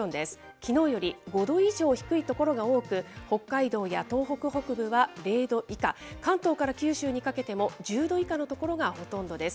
きのうより５度以上低い所が多く、北海道や東北北部は０度以下、関東から九州にかけても１０度以下の所がほとんどです。